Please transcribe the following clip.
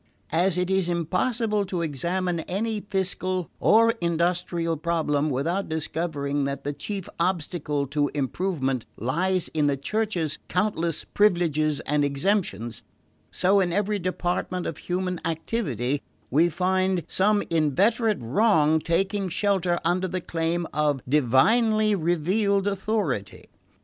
As it is impossible to examine any fiscal or industrial problem without discovering that the chief obstacle to improvement lies in the Church's countless privileges and exemptions, so in every department of human activity we find some inveterate wrong taking shelter under the claim of a divinely revealed authority.